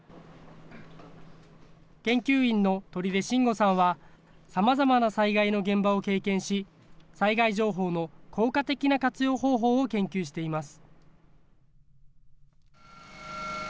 研究員の取出新吾さんは、さまざまな災害の現場を経験し、災害情報の効果的な活用方法を研究しています。